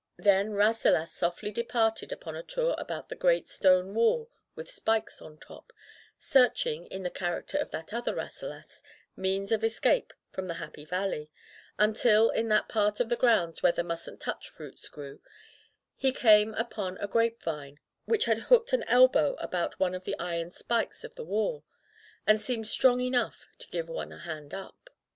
Then Ras selas softly departed upon a tour about the great stone wall with spikes on top, search ing, in the character of that other Rasselas, means of escape from the Happy Valley, until, in that part of the grounds where the "mustn't touch*' fruits grew, he came upon a grape vine which had hooked an elbow about one of the iron spikes of the wall, and seemed strong enough to give one a hand up.